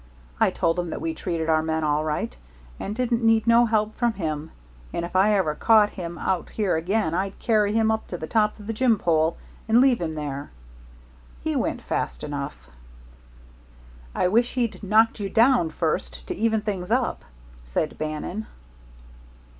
I told him that we treated our men all right and didn't need no help from him, and if I ever caught him out here again I'd carry him up to the top of the jim pole and leave him there. He went fast enough." "I wish he'd knocked you down first, to even things up," said Bannon.